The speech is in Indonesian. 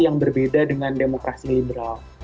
yang berbeda dengan demokrasi liberal